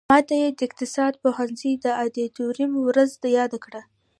ماته یې د اقتصاد پوهنځي د ادیتوریم ورځ را یاده کړه.